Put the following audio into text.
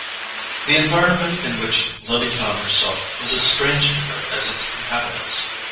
The environment in which Lily found herself was as strange to her as its inhabitants.